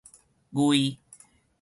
魏